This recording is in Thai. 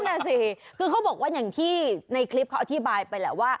นั่นแหละสิคือเขาบอกว่าอย่างที่ในคลิปเขาอธิบายไปแหละว่า